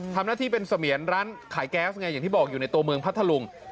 ทำหน้าที่เป็นเสมียนร้านขายแก๊สไงอย่างที่บอกอยู่ในตัวเมืองพัทธลุง